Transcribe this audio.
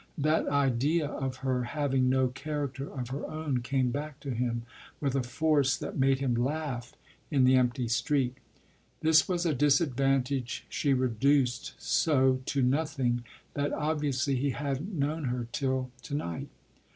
That idea of her having no character of her own came back to him with a force that made him laugh in the empty street: this was a disadvantage she reduced so to nothing that obviously he hadn't known her till to night.